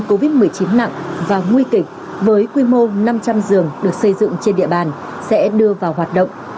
covid một mươi chín nặng và nguy kịch với quy mô năm trăm linh giường được xây dựng trên địa bàn sẽ đưa vào hoạt động